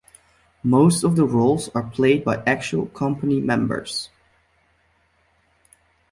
Most of the roles are played by actual company members.